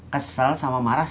kesel sama marah sama